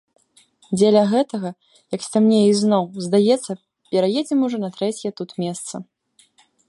Дзеля гэтага, як сцямнее ізноў, здаецца, пераедзем ужо на трэцяе тут месца.